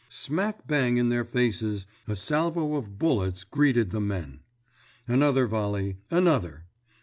Smack bang in their faces, a salvo of bullets greeted the men. Another volley, another!